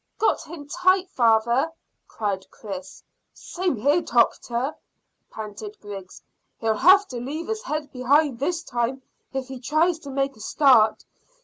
"Got him tight, father," cried Chris. "Same here, doctor," panted Griggs. "He'll have to leave his head behind this time if he tries to make a start.